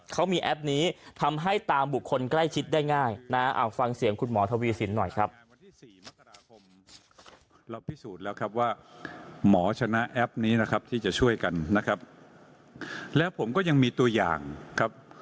เขามีแอปนี้ทำให้ตามบุคคลใกล้ชิดได้ง่ายนะเอาฟังเสียงคุณหมอทวีสินหน่อยครับ